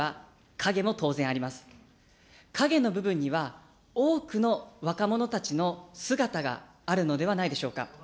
影の部分には、多くの若者たちの姿があるのではないでしょうか。